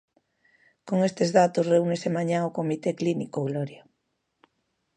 Con estes datos reúnese mañá o comité clínico, Gloria.